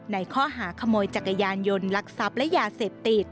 ในข้อหาขโมยจักรยานยนต์ลักทรัพย์และยาเสพติด